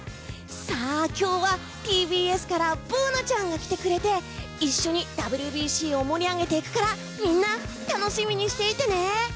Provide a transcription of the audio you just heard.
今日はＴＢＳからブーナちゃんが来てくれて一緒にＷＢＣを盛り上げていくからみんな、楽しみにしていてね！